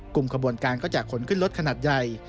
กลุ่มขบวนการก็จะขนขึ้นรถขนาดใหญ่